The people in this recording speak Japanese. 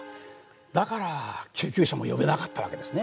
だから救急車も呼べなかったわけですね？